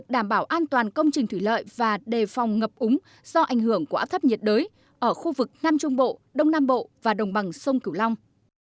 đảm bảo an toàn công trình thủy lợi và đề phòng ngập úng do ảnh hưởng của áp thấp nhiệt đới ở khu vực nam trung bộ đông nam bộ và đồng bằng sông cửu long